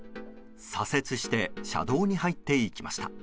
左折して車道に入っていきました。